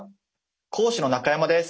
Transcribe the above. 講師の中山です。